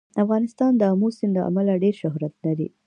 افغانستان د آمو سیند له امله ډېر شهرت لري.